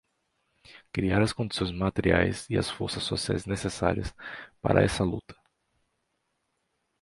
cria as condições materiais e as forças sociais necessárias para essa luta